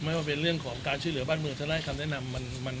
ว่าเป็นเรื่องของการช่วยเหลือบ้านเมืองถ้าได้คำแนะนำ